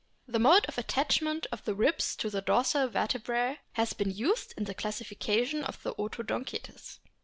The mode of attachment of the ribs to the dorsal vertebrae has been used in the classification of the Odontocetes.